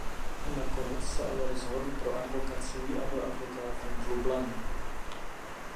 Nakonec se ale rozhodl pro advokacii a byl advokátem v Lublani.